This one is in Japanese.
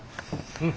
うん。